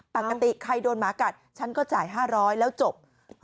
ปกติใครโดนหมากัดฉันก็จ่าย๕๐๐แล้วจบ